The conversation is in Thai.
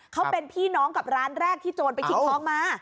เขาเป็นพี่น้องกับร้านแรกที่โจรไปชิงทองมา